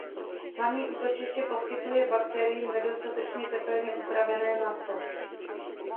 Hlavní útočiště poskytuje bakteriím nedostatečně tepelně upravené maso.